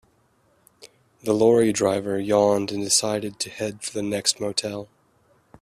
The lorry driver yawned and decided to head for the next motel.